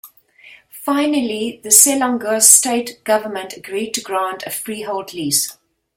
Finally, the Selangor state government agreed to grant a freehold lease.